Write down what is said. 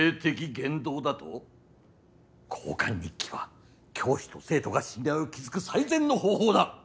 交換日記は教師と生徒が信頼を築く最善の方法だ。